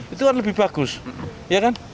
itu kan lebih bagus ya kan